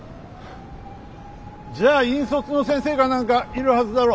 じゃあ引率の先生か何かいるはずだろ。